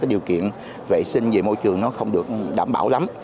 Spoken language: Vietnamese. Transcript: điều kiện vệ sinh về môi trường nó không được đảm bảo lắm